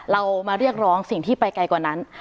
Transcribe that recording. เรามาเรียกร้องสิ่งที่ไปไกลกว่านั้น